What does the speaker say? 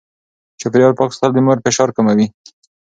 چاپېريال پاک ساتل د مور فشار کموي.